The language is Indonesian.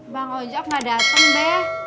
bang ojak gak dateng deh